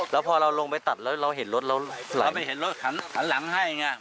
แล้วพอเราลงไปตัดแล้วเราเห็นรถเราไม่เห็นรถหันหลังให้ไง